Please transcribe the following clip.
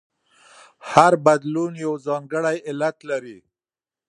هر بدلون یو ځانګړی علت لري.